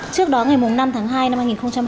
trước đó ngày năm tháng hai năm hai nghìn hai mươi